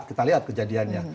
kita lihat kejadiannya